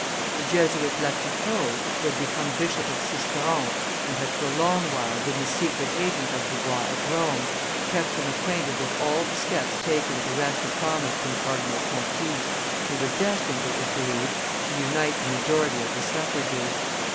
The Jesuit Lafitteau, who had become Bishop of Sisteron, and had for a long while been the secret agent of Dubois at Rome, kept him acquainted with all the steps taken to wrest a promise from Cardinal Conti, who was destined, it was believed, to unite the majority of the suffrages.